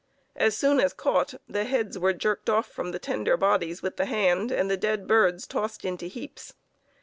As soon as caught, the heads were jerked off from the tender bodies with the hand, and the dead birds tossed into heaps.